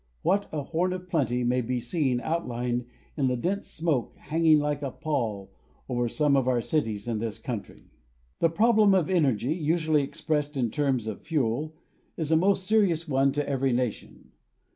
What a horn of plenty may be seen outlined in the dense smoke hanging like a pall over some of our cities in this country ! The problem of energy, usually expressed in terms of fuel, is a most serious one to every nation.